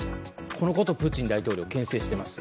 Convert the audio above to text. このことをプーチン大統領は牽制しています。